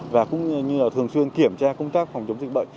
và cũng như là thường xuyên kiểm tra công tác phòng chống dịch bệnh